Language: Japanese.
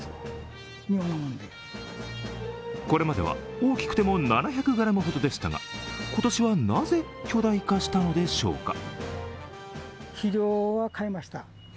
これまでは大きくても７００ｇほどでしたが、今年はなぜ、巨大化したのでしょうか？